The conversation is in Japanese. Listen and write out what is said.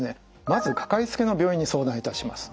まずかかりつけの病院に相談いたします。